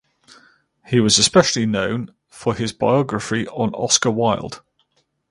He was especially known for his biography on Oscar Wilde.